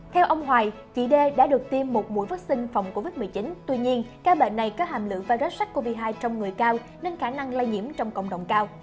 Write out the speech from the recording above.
theo ông hoài chị đê đã được tiêm một mũi vaccine phòng covid một mươi chín tuy nhiên ca bệnh này có hàm lựu virus sars cov hai trong người cao nên khả năng lây nhiễm trong cộng đồng cao